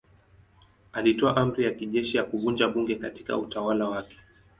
Alitoa amri ya kijeshi ya kuvunja bunge katika utawala wake.